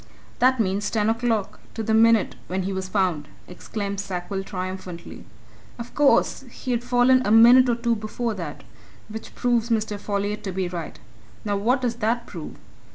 "That means ten o'clock to the minute when he was found!" exclaimed Sackville triumphantly. "Of course, he'd fallen a minute or two before that which proves Mr. Folliot to be right. Now what does that prove?